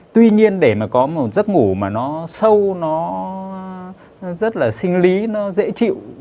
tuy nhiên để mà có một giấc ngủ mà nó sâu nó rất là sinh lý nó dễ chịu